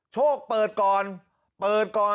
โชคเปิดก่อน